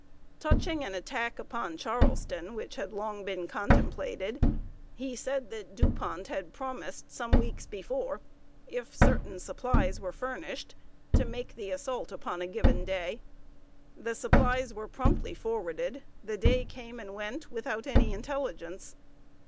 Touching an attack upon Charleston which had long been contemplated, he said that Du Pont had promised, some weeks before, if certain supplies were furnished, to make the assault upon a given day. The supplies were promptly forwarded; the day came and went without any intelligence.